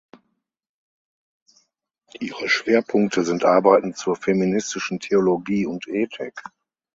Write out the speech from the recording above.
Ihre Schwerpunkte sind Arbeiten zur feministischen Theologie und Ethik.